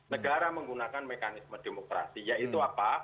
negara menggunakan mekanisme demokrasi yaitu apa